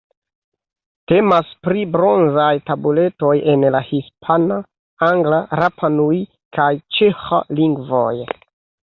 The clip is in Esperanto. Temas pri bronzaj tabuletoj en la hispana, angla, rapa-nui kaj ĉeĥa lingvoj.